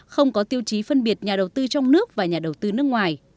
không có tiêu chí phân biệt nhà đầu tư trong nước và nhà đầu tư nước ngoài